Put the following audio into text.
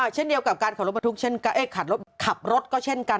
เช่นเดียวกับการขับรถก็เช่นกันขับรถก็เช่นกัน